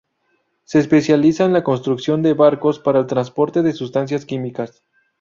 Se especializa en la construcción de barcos para el transporte de sustancias químicas.